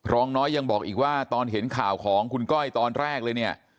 รองน้อยยังบอกอีกว่าตอนเห็นข่าวของคุณก้อยตอนแรกเลยเนี่ย